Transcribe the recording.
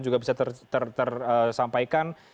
juga bisa tersampaikan